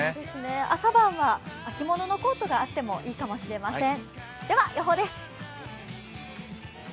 朝晩は秋物のコートがあってもいいかもしれません。